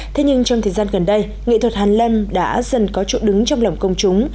thế nhưng trong thời gian gần đây nghệ thuật hàn lâm đã dần có chỗ đứng trong lòng công chúng